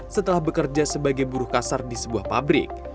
setelah bekerja sebagai buruh kasar di sebuah pabrik